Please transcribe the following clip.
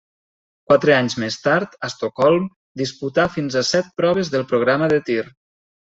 Quatre anys més tard, a Estocolm, disputà fins a set proves del programa de tir.